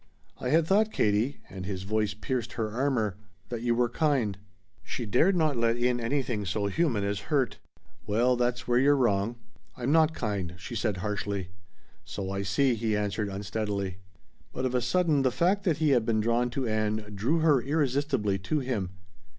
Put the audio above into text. "I had thought, Katie," and his voice pierced her armor "that you were kind." She dared not let in anything so human as a hurt. "Well that's where you're wrong. I'm not kind," she said harshly. "So I see," he answered unsteadily. But of a sudden the fact that he had been drawn to Ann drew her irresistibly to him.